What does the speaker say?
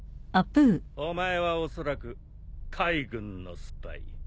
お前はおそらく海軍のスパイ。